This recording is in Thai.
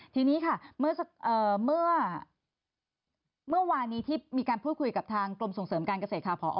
ทีนี้ค่ะเมื่อวานนี้ที่มีการพูดคุยกับทางกรมส่งเสริมการเกษตรค่ะพอ